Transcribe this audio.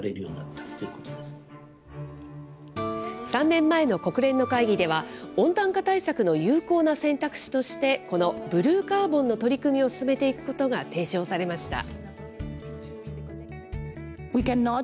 ３年前の国連の会議では、温暖化対策の有効な選択肢として、このブルーカーボンの取り組みを進めていくことが提唱されました。